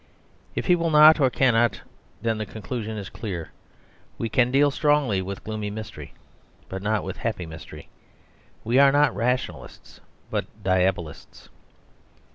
If he will not, or cannot, then the conclusion is clear; we can deal strongly with gloomy mystery, but not with happy mystery; we are not rationalists, but diabolists.